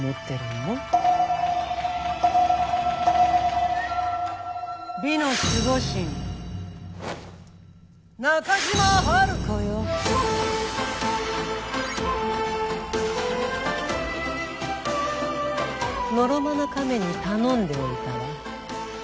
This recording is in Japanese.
のろまなカメに頼んでおいたわ。